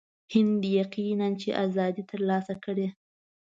هند یقیناً چې آزادي ترلاسه کړي.